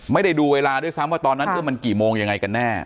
ไม่ได้ดูเวลาด้วยซ้ำว่าตอนนั้นมันกี่โมงยังไงกันแน่